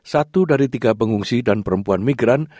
satu dari tiga pengungsi dan perempuan migran